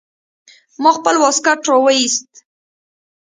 ما خپل واسکټ راوايست.